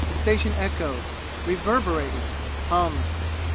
The station echoed reverberated hummed.